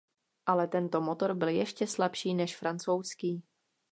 Ale tento motor byl ještě slabší než francouzský.